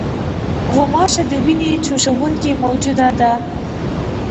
غوماشه د وینې چوشوونکې موجوده ده.